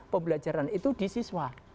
pembelajaran itu di siswa